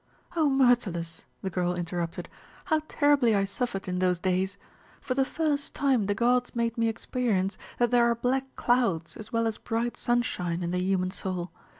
"O Myrtilus," the girl interrupted, "how terribly I suffered in those days! For the first time the gods made me experience that there are black clouds, as well as bright sunshine, in the human soul.